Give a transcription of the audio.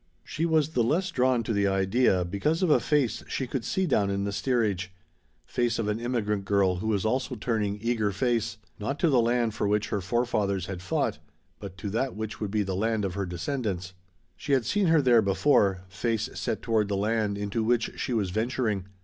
She was the less drawn to the idea because of a face she could see down in the steerage: face of an immigrant girl who was also turning eager face, not to the land for which her forefathers had fought, but to that which would be the land of her descendants. She had seen her there before, face set toward the land into which she was venturing.